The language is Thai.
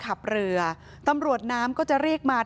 แต่คุณผู้ชมค่ะตำรวจก็ไม่ได้จบแค่ผู้หญิงสองคนนี้